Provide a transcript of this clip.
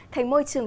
thành môi trường